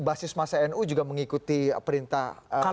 basis masa nu juga mengikuti perintah